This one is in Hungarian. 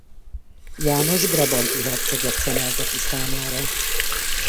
János brabanti herceget szemelte ki számára.